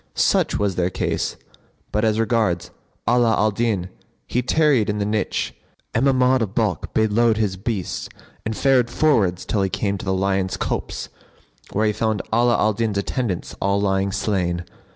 Such was their case; but as regards Ala al Din, he tarried in the niche, and Mahmud of Balkh bade load his beasts and fared forwards till he came to the Lion's Copse where he found Ala al Din's attendants all lying slain.